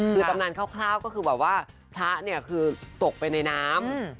คือตำนานคร่าวก็คือแบบว่าพระเนี่ยคือตกไปในน้ำ